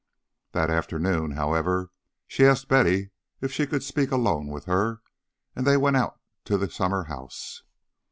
That afternoon, however, she asked Betty if she could speak alone with her, and they went out to the summer house.